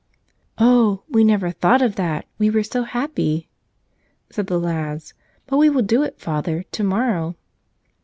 "Oh, we never thought of that, we were so happy !" said the lads. "But we will do it, Father, tomorrow."